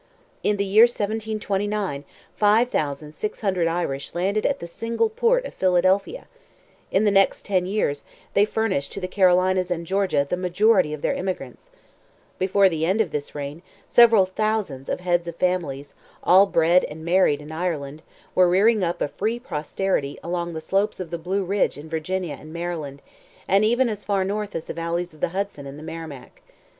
In the year 1729, five thousand six hundred Irish landed at the single port of Philadelphia; in the next ten years they furnished to the Carolinas and Georgia the majority of their immigrants; before the end of this reign, several thousands of heads of families, all bred and married in Ireland, were rearing up a free posterity along the slopes of the Blue Ridge in Virginia and Maryland, and even as far north as the valleys of the Hudson and the Merrimac.